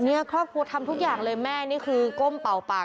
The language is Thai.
เนี่ยครอบครัวทำทุกอย่างเลยแม่นี่คือก้มเป่าปาก